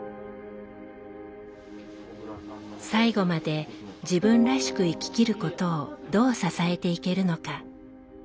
最期まで自分らしく生ききることをどう支えていけるのか。